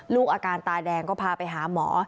ลูกอาการตาแดงก็พาไปหาหมอ